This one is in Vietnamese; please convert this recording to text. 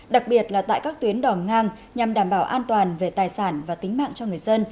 đặc biệt là tại các tuyến đỏ ngang nhằm đảm bảo an toàn về tài sản và tính mạng cho người dân